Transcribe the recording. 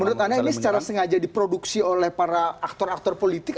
menurut anda ini secara sengaja diproduksi oleh para aktor aktor politik